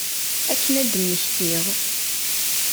Akken ad d-mmektiɣ.